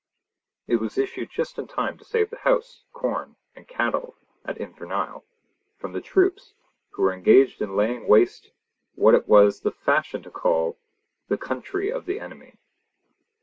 It was issued just in time to save the house, corn, and cattle at Invernahyle from the troops, who were engaged in laying waste what it was the fashion to call 'the country of the enemy.'